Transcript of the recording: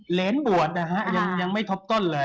เหรียญบ่วนยังไม่ทบต้นเลย